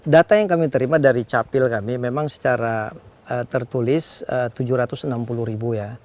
data yang kami terima dari capil kami memang secara tertulis tujuh ratus enam puluh ribu ya